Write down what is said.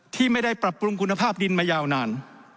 ที่ไม่ได้ปรับปรุงคุณภาพดินมายาวนาน